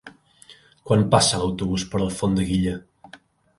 Quan passa l'autobús per Alfondeguilla?